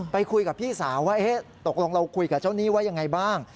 ไปคุยกับพี่สาวว่าตกลงเราคุยกับเจ้าหนี้ว่ายังไงบ้าง